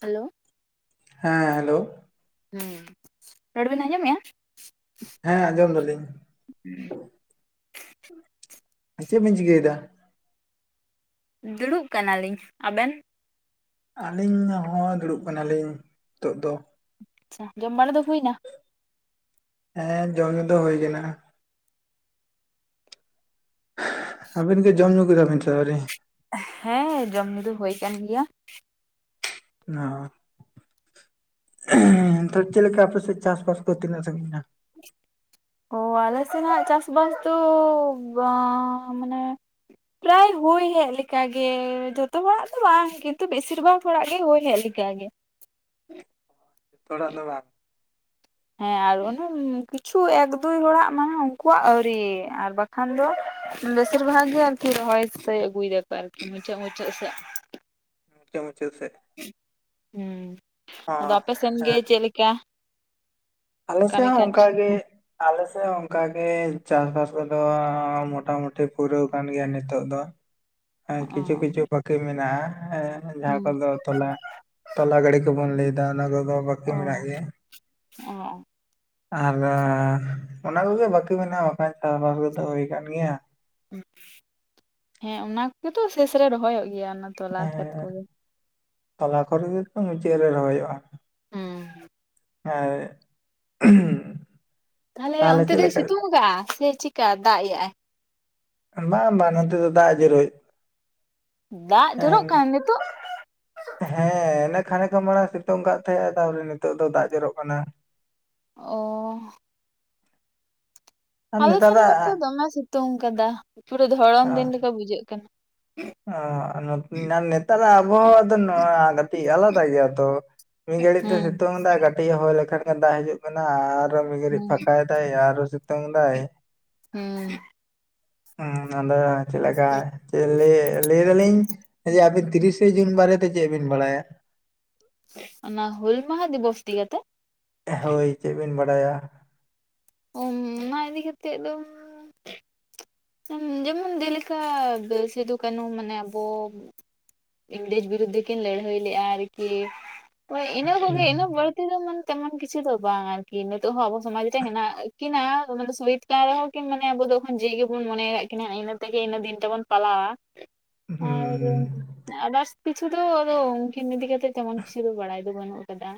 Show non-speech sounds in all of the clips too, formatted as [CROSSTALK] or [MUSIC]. Hello. ᱦᱮᱸ hello. ᱦᱮᱸ ᱨᱚᱲ ᱵᱤᱱ ᱟᱸᱡᱚᱢ ᱮᱜᱼᱟ? ᱦᱮᱸ ᱟᱸᱡᱚᱢ ᱫᱟᱞᱤᱧ᱾ ᱦᱩᱸ᱾ ᱪᱮᱫ ᱵᱤᱱ ᱪᱤᱠᱟᱹᱭ ᱫᱟ? ᱫᱩᱲᱩᱵ ᱠᱟᱱᱟ ᱞᱤᱧ, ᱟᱵᱮᱱ? ᱟᱹᱞᱤᱧ ᱦᱚᱸ ᱫᱩᱲᱩᱵ ᱠᱟᱱᱟ ᱞᱤᱧ ᱱᱤᱛᱚᱜ ᱫᱚ᱾ ᱟᱪᱪᱷᱟ ᱡᱚᱢ ᱵᱟᱲᱟ ᱫᱚ ᱦᱩᱭ ᱱᱟ? ᱦᱮᱸ ᱡᱚᱢ, ᱧᱩ ᱫᱚ ᱦᱩᱭ ᱠᱟᱱᱟ᱾ ᱟᱹᱵᱤᱱ ᱜᱮ ᱡᱚᱢ, ᱧᱩ ᱠᱮᱫᱟ ᱵᱤᱱ ᱥᱮ ᱟᱹᱣᱨᱤ? ᱦᱮᱸ ᱡᱚᱢ ᱧᱩ ᱫᱚ ᱦᱳᱭ ᱠᱟᱱ ᱜᱮᱭᱟ᱾ ᱚᱻ᱾ ᱪᱮᱫ ᱞᱮᱠᱟ ᱟᱯᱮ ᱥᱮᱫ ᱪᱟᱥ ᱵᱟᱥ ᱠᱚ ᱛᱤᱱᱟᱹᱜ ᱥᱟᱺᱜᱤᱧ ᱱᱟ? [INAUDIBLE] ᱚ ᱟᱞᱮ ᱥᱮᱱᱟᱜ ᱪᱟᱥ ᱵᱟᱥ ᱫᱚ ᱵᱟᱸᱻ ᱢᱟᱱᱮ ᱯᱨᱟᱭ ᱦᱩᱭ ᱦᱮᱡ ᱞᱮᱠᱟᱜ ᱜᱮ ᱡᱷᱚᱛᱚ ᱣᱟᱜ ᱫᱚ ᱵᱟᱝ ᱠᱤᱱᱛᱩ ᱵᱮᱥᱤᱨ ᱵᱷᱟᱜᱽ ᱦᱚᱲᱟᱜ ᱜᱮ ᱦᱩᱭᱳ ᱦᱮᱡ ᱞᱤᱠᱟ ᱜᱮ᱾ [UNINTELLIGIBLE] ᱫᱚ ᱵᱟᱝ ᱦᱮᱸ ᱟᱨ ᱚᱱᱮ ᱠᱤᱪᱷᱩ ᱮᱠ, ᱫᱩᱭ ᱦᱚᱲᱟᱜ ᱢᱟᱱᱮ ᱩᱱᱠᱩᱣᱟᱜ ᱟᱹᱣᱨᱤ ᱟᱨ ᱵᱟᱠᱷᱟᱱ ᱫᱚ ᱵᱮᱥᱤᱨ ᱵᱷᱟᱜ ᱜᱮ ᱟᱨᱠᱤ ᱨᱚᱦᱚᱭ ᱮᱥᱮᱫ ᱟᱹᱜᱩᱭ ᱫᱟᱠᱚ ᱟᱨ ᱠᱤ ᱢᱩᱪᱟᱹᱫ ᱢᱩᱪᱟᱹᱫ ᱥᱮᱜ᱾ ᱢᱩᱪᱟᱹᱜ ᱥᱮᱫ᱾ ᱦᱮᱸ ᱚ ᱟᱫᱚ ᱟᱯᱮ ᱥᱮᱱ ᱜᱮ ᱦᱮᱸ ᱪᱮᱫ ᱞᱮᱠᱟ? ᱟᱞᱮ ᱥᱮᱜ ᱠᱟᱹᱢᱤ ᱦᱚᱸ ᱠᱟᱡᱽ? ᱚᱱᱠᱟᱜ ᱜᱮ᱾ ᱟᱞᱮ ᱥᱮᱫ ᱦᱚᱸ ᱚᱱᱠᱟ ᱜᱮ ᱪᱟᱥ ᱵᱟᱥ ᱠᱚᱫᱚ ᱢᱚᱴᱟ ᱢᱩᱴᱤ ᱯᱩᱨᱟᱹᱣ ᱠᱟᱱ ᱜᱮᱭᱟ ᱱᱤᱛᱚᱜ ᱫᱚ᱾ ᱦᱮᱸ ᱚ ᱠᱤᱪᱷᱩ ᱠᱤᱪᱷᱩ ᱵᱟᱹᱠᱤ ᱢᱮᱱᱟᱜᱼᱟ ᱡᱟᱦᱟᱸ ᱦᱩᱸ ᱠᱚ ᱫᱚ ᱛᱚᱞᱟ ᱛᱚᱞᱟ ᱜᱟᱹᱰᱤ ᱠᱚ ᱵᱚᱱ ᱞᱟᱹᱭ ᱮᱫᱟ ᱚᱱᱟ ᱠᱚᱫᱚ ᱵᱟᱠᱤ ᱢᱮᱱᱟᱜ ᱜᱮᱭᱟ ᱚᱻ᱾ ᱟᱨ ᱚᱱᱟ ᱠᱚ ᱜᱮ ᱵᱟᱠᱤ ᱢᱮᱱᱟᱜᱼᱟ ᱵᱟᱠᱷᱟᱱ ᱪᱟᱥ ᱵᱟᱥ ᱠᱚᱫᱚ ᱦᱩᱭ ᱠᱟᱱ ᱜᱮᱭᱟ᱾ ᱦᱮᱸ ᱚᱱᱟ ᱠᱚᱜᱮ ᱛᱚ ᱥᱮᱥ ᱨᱮ ᱨᱚᱦᱚᱭᱚᱜ ᱜᱮᱭᱟ ᱚᱱᱟ ᱛᱚᱞᱟ ᱠᱷᱮᱛ ᱠᱚ ᱜᱮ᱾ ᱛᱟᱞᱟ ᱠᱚ ᱫᱚ ᱛᱚ ᱢᱩᱪᱟᱹᱫ ᱨᱮ ᱨᱚᱦᱚᱭᱚᱜᱼᱟ᱾ ᱦᱩᱸ᱾ ᱦᱮᱸ ᱛᱟᱦᱞᱮ ᱚᱱᱛᱮ ᱫᱚᱭ ᱥᱤᱛᱩᱝ ᱠᱟᱜᱼᱟ ᱥᱮ ᱪᱮᱠᱟ ᱫᱟᱜ ᱮᱜ ᱟᱭ? ᱵᱟᱝ, ᱵᱟᱝ ᱱᱚᱛᱮ ᱫᱚ ᱫᱟᱜ ᱮ ᱡᱚᱨᱚ ᱫᱟᱜ ᱡᱚᱨᱚᱜ ᱠᱟᱱᱟ ᱱᱤᱛᱚᱜ? ᱦᱮᱸ ᱚᱱᱮ ᱠᱷᱟᱱᱮᱠᱷ [UNINTELLIGIBLE] ᱥᱤᱛᱩᱝ ᱠᱟᱜ ᱛᱟᱦᱮᱸᱜᱼᱟ ᱛᱯᱚᱨᱮ ᱱᱤᱛᱚᱜ ᱫᱚ ᱫᱟᱜ ᱡᱚᱨᱚᱜ ᱠᱟᱱᱟ᱾ ᱚᱻ᱾ ᱟᱨ ᱟᱞᱮ ᱥᱮᱱ ᱱᱮᱛᱟᱨᱟᱜ ᱢᱟᱛᱚ ᱫᱚᱢᱮ ᱥᱤᱛᱩᱝ ᱠᱟᱫᱟ ᱯᱩᱨᱟᱹ ᱫᱷᱚᱨᱚᱢ ᱫᱤᱱ ᱞᱮᱠᱟ ᱵᱩᱡᱷᱟᱹᱜ ᱠᱟᱱᱟ᱾ ᱚ ᱱᱟ ᱱᱮᱛᱟᱨ ᱟᱵᱚ ᱦᱟᱣᱟ ᱫᱚ ᱟᱞᱟ ᱫᱟ ᱜᱮᱭᱟ ᱛᱚ᱾ ᱢᱤᱫ ᱜᱦᱟᱹᱲᱤᱡ ᱫᱚ ᱦᱩᱸ ᱥᱤᱛᱩᱝ ᱫᱟ ᱠᱟᱹᱴᱤᱡ ᱮ ᱦᱚᱭ ᱞᱮᱠᱷᱟᱱ ᱜᱮ ᱫᱟᱜ ᱦᱤᱡᱩᱜ ᱠᱟᱱᱟ ᱟᱨᱚ ᱢᱤᱜᱷᱟᱹᱲᱤᱡ ᱦᱩᱸ ᱯᱷᱟᱠᱟᱭ ᱟᱨᱚ ᱥᱤᱛᱩᱝ ᱫᱟᱭ ᱦᱩᱸ᱾ ᱦᱩᱸ ᱟᱫᱚ ᱪᱮᱞᱮ ᱠᱟᱭ ᱞᱟᱹᱭ ᱫᱟᱞᱤᱧ ᱡᱮ ᱟᱵᱤᱱ ᱛᱤᱨᱤᱥᱮ ᱡᱩᱱ ᱵᱟᱨᱮ ᱛᱮ ᱪᱮᱫ ᱵᱤᱱ ᱵᱟᱲᱟᱭᱟ? ᱚᱱᱟ ᱦᱩᱞ ᱢᱟᱦᱟ ᱫᱤᱵᱚᱥ ᱫᱤᱭᱮ ᱛᱮ? ᱦᱳᱭ ᱪᱮᱫ ᱵᱤᱱ ᱵᱟᱰᱟᱭᱟ? ᱚᱱᱟ ᱤᱫᱤ ᱠᱟᱛᱮ ᱫᱚ ᱡᱮᱢᱚᱱ ᱡᱮᱞᱮᱠᱟ ᱥᱤᱫᱩ ᱠᱟᱹᱱᱩ ᱢᱟᱱᱮ ᱟᱵᱚ ᱤᱝᱨᱮᱡᱽ ᱵᱤᱨᱩᱫᱽᱫᱷᱮ ᱠᱤᱱ ᱞᱟᱹᱲᱦᱟᱹᱭ ᱞᱮᱼᱟ ᱟᱨᱠᱤ ᱦᱳᱭ ᱤᱱᱟᱹ ᱦᱩᱸ ᱠᱚᱜᱮ ᱤᱱᱟᱹ ᱵᱟᱲ [INAUDIBLE] ᱛᱮᱢᱚᱱ ᱠᱤᱪᱩ ᱫᱚ ᱵᱟᱝ ᱟᱨᱠᱤ ᱱᱤᱛᱚᱜ ᱦᱚᱸ ᱟᱵᱚ ᱥᱚᱢᱟᱡᱽ ᱨᱮ ᱦᱮᱱᱟᱜ ᱠᱤᱱᱟ ᱥᱩᱦᱤᱛ ᱠᱟᱱ ᱨᱮᱦᱚᱸ ᱢᱟᱱᱮ ᱟᱵᱚ ᱫᱚ [UNINTELLIGIBLE] ᱵᱚᱱ ᱢᱚᱱᱮᱭ ᱠᱫ ᱠᱤᱱᱟ ᱤᱱᱟᱹ ᱛᱮᱜᱮ ᱤᱱᱟᱹ ᱫᱤᱱ ᱛᱮᱵᱚᱱ ᱯᱟᱞᱟᱣᱟ ᱟᱨ ᱦᱩᱸ ᱾ ᱟᱫᱟᱨᱥ ᱠᱤᱪᱷᱩ ᱫᱚ ᱟᱫᱚ ᱩᱱᱠᱤᱱ ᱤᱫᱤᱛᱜ ᱛᱮᱢᱚᱱ ᱠᱤᱪᱷᱩ ᱫᱚ ᱵᱟᱲᱟᱭ ᱫᱚ ᱵᱟᱹᱱᱩᱜ ᱟᱠᱟᱫᱟ᱾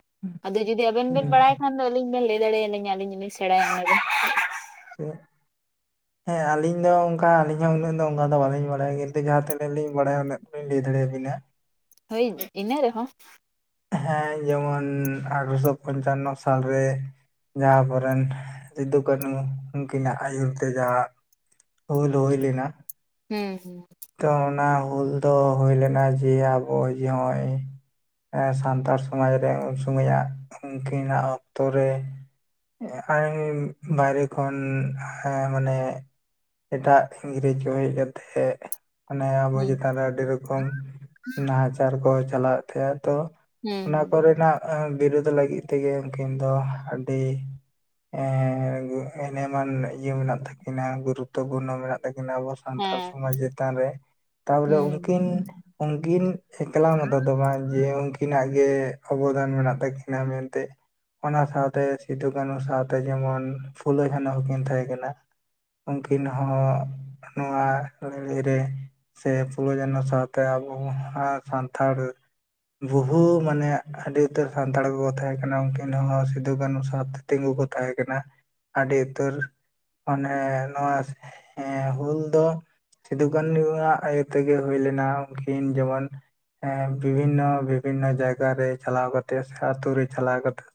ᱟᱫᱚ ᱡᱩᱫᱤ ᱟᱵᱮᱱ ᱵᱮᱱ ᱦᱩᱸ ᱵᱟᱲᱟᱭ ᱠᱷᱟᱱ ᱫᱚ ᱟᱹᱞᱤᱧ ᱵᱮᱱ ᱞᱟᱹᱭ ᱫᱟᱲᱮᱭᱟᱞᱤᱧᱟ ᱟᱹᱞᱤᱧ ᱞᱤᱧ ᱥᱮᱬᱟᱭᱟ᱾ [UNINTELLIGIBLE] ᱦᱮᱸ ᱟᱞᱤᱧ ᱫᱚ ᱚᱱᱠᱟ ᱟᱞᱤᱧ ᱦᱚᱸ ᱩᱱᱟᱹᱜ ᱫᱚ ᱚᱱᱠᱟ ᱫᱚ ᱵᱟᱟᱹᱞᱤᱧ ᱵᱟᱲᱟᱭᱟ ᱠᱤᱱᱛᱩ ᱡᱟᱦᱟᱸ ᱛᱤᱱᱟᱹᱜ ᱞᱤᱧ ᱵᱟᱲᱟᱭᱟ ᱩᱱᱟᱹᱜ᱾ ᱞᱤᱧ ᱞᱟᱹᱭ ᱫᱟᱲᱮᱭ ᱟᱵᱤᱱᱟ᱾ ᱦᱳᱭ ᱤᱱᱟᱹ ᱨᱮᱦᱚᱸ᱾ ᱦᱮᱸ ᱡᱮᱢᱚᱱ ᱟᱴᱨᱚᱥᱚ ᱯᱚᱧᱪᱟᱱᱱᱚ ᱥᱟᱞᱨᱮ᱾ ᱡᱟᱦᱟᱸᱵᱚᱨᱮᱱ ᱥᱤᱫᱩ ᱠᱟᱹᱱᱩ ᱩᱱᱠᱤᱱᱟᱜ ᱟᱹᱭᱩᱨ ᱛᱮ ᱡᱟᱦᱟᱸ᱾ ᱦᱩᱞ ᱦᱩᱭ ᱞᱮᱱᱟ᱾ ᱦᱮᱸ ᱦᱮᱸ᱾ ᱛᱚ ᱚᱱᱟ ᱦᱩᱞ ᱫᱚ ᱦᱩᱭ ᱞᱮᱱᱟ ᱡᱮ ᱟᱵᱚ ᱡᱮ ᱱᱚᱜᱼᱚᱭ᱾ ᱥᱟᱱᱛᱟᱲ ᱥᱚᱢᱟᱡᱽ ᱨᱮ ᱩᱱ ᱥᱚᱢᱚᱭᱟᱜ ᱩᱱᱠᱤᱱᱟᱜ ᱚᱠᱛᱚ ᱨᱮ᱾ ᱟᱨ ᱢᱟᱨᱮ ᱠᱷᱚᱱ ᱦᱮᱸ ᱢᱟᱱᱮ᱾ ᱮᱴᱟᱜ ᱤᱝᱨᱮᱡᱽ ᱠᱚ ᱦᱮᱡ ᱠᱟᱛᱮᱜ᱾ ᱢᱟᱱᱮ ᱟᱵᱚ ᱦᱩᱸ ᱪᱮᱛᱟᱱᱨᱮ ᱟᱹᱰᱤ ᱨᱚᱠᱚᱢ ᱱᱟᱦᱟᱪᱟᱨ ᱠᱚ ᱪᱟᱞᱣᱮᱫ ᱛᱟᱦᱮᱸᱼᱟ ᱛᱚ᱾ ᱚᱱᱟ ᱦᱩᱸ ᱠᱚᱨᱮᱱᱟᱜ ᱵᱤᱨᱩᱫ ᱞᱟᱹᱜᱤᱫ ᱛᱮᱜᱮ ᱩᱱᱠᱤᱱ ᱫᱚ ᱟᱹᱰᱤ᱾ ᱮᱢᱱᱮ ᱮᱢᱟᱱ ᱤᱭᱟᱹ ᱢᱮᱱᱟᱜ ᱛᱟᱹᱠᱤᱱᱟ ᱜᱩᱨᱩᱛᱚ ᱯᱩᱨᱱᱚ ᱢᱮᱱᱟᱜ ᱛᱟᱹᱠᱤᱱᱟ ᱟᱵᱚᱥ᱾ ᱥᱟᱱᱛᱟᱲ ᱦᱮᱸ ᱥᱚᱢᱟᱡᱽ ᱪᱮᱛᱟᱱ ᱨᱮ ᱛᱟᱦᱚᱞᱮ ᱦᱩᱸ ᱩᱱᱠᱤᱱ? ᱩᱱᱠᱤᱱ ᱮᱠᱞᱟ ᱢᱚᱛᱚ ᱫᱚ ᱵᱟᱝ ᱡᱮ ᱩᱱᱠᱤᱱᱟᱜ ᱜᱮ ᱚᱵᱚᱫᱟᱱ ᱢᱮᱱᱟᱜ ᱛᱟᱹᱠᱤᱱᱟ ᱢᱮᱱᱛᱮ᱾ ᱚᱱᱟ ᱥᱟᱶᱛᱮ ᱥᱤᱫᱩ ᱠᱟᱹᱱᱩ ᱥᱟᱶᱛᱮ ᱡᱮᱢᱚᱱ ᱯᱷᱩᱞᱳ ᱠᱷᱷᱟᱱ ᱦᱚᱸᱠᱤᱱ ᱛᱟᱦᱮᱸ ᱠᱟᱱᱟ᱾ ᱩᱱᱠᱤᱱ ᱦᱚᱸ ᱱᱚᱣᱟ᱾ ᱞᱟᱹᱲᱦᱟᱹᱭ ᱨᱮ ᱥᱮ ᱯᱷᱩᱞᱳ ᱡᱮᱱᱚ ᱥᱟᱶᱛᱮ ᱟᱵᱚ ᱥᱟᱱᱛᱟᱲ᱾ ᱵᱩᱦᱩ ᱢᱟᱱᱮ ᱟᱹᱰᱤ ᱩᱛᱟᱹᱨ ᱥᱟᱱᱛᱟᱲ ᱠᱚᱠᱚ ᱛᱟᱦᱮᱸ ᱠᱟᱱᱟ ᱩᱱᱠᱤᱱ ᱦᱚᱸ ᱥᱤᱫᱩ ᱠᱟᱹᱱᱩ ᱥᱟᱶ ᱛᱮ᱾ ᱛᱤᱸᱜᱩ ᱠᱚ ᱛᱟᱦᱮᱸ ᱠᱟᱱᱟ ᱟᱹᱰᱤ ᱩᱛᱟᱹᱨ᱾ ᱢᱟᱱᱮ ᱱᱚᱶᱟ ᱦᱩᱞ ᱫᱚ ᱾ ᱥᱤᱫᱩ ᱠᱟᱹᱱᱩᱣᱟᱜ ᱟᱭᱳ ᱛᱮᱜᱮ ᱦᱩᱭ ᱞᱮᱱᱟ ᱩᱱᱠᱤᱱ ᱡᱮᱢᱚᱱ᱾ ᱵᱤᱵᱷᱤᱱᱱᱚ ᱵᱤᱵᱷᱤᱱᱱᱚ ᱡᱟᱭᱜᱟ ᱨᱮ ᱪᱟᱞᱟᱣ ᱠᱟᱛᱮᱜ ᱥᱮ ᱟᱛᱳ ᱨᱮ ᱪᱟᱞᱟᱣ ᱠᱟᱛᱮᱜ᱾